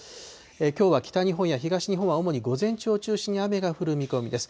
きょうは北日本や東日本は主に午前中を中心に雨が降る見込みです。